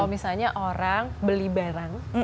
misalnya orang beli barang